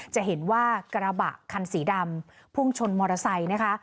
จะเห็นว่ากระบะคันสีดำพุ่งชนมอเตอร์ไซค์นะคะ